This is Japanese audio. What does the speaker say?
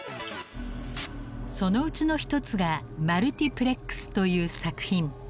そのうちの１つが「マルティプレックス」という作品。